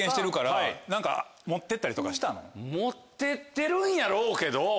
持ってってるんやろうけど。